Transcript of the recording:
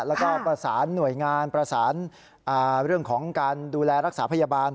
แล้วก็ประสานหน่วยงานประสานเรื่องของการดูแลรักษาพยาบาล